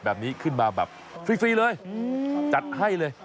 แบบนี้ขึ้นมาแบบฟรีเลยจัดให้เลย